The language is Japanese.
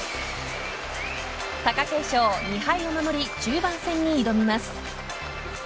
貴景勝、２敗を守り中盤戦に挑みます。